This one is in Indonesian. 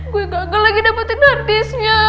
gue gagal lagi dapetin harddisknya